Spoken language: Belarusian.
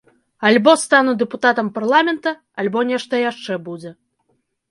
Альбо стану дэпутатам парламента, альбо нешта яшчэ будзе.